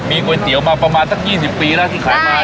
ก๋วยเตี๋ยวมาประมาณสัก๒๐ปีแล้วที่ขายมา